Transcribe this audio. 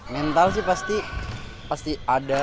mental sih pasti ada